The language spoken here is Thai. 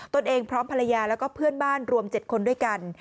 ตัวเองพร้อมภรรยาแล้วก็เพื่อนบ้านรวม๗คนด้วยกัน